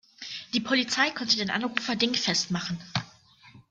Die Polizei konnte den Anrufer dingfest machen.